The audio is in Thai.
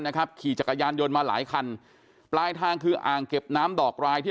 นะครับขี่จักรยานยนต์มาหลายคันปลายทางคืออ่างเก็บน้ำดอกรายที่